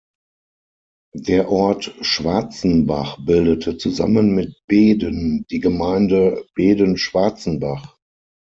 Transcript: Der Ort Schwarzenbach bildete zusammen mit Beeden die Gemeinde Beeden-Schwarzenbach.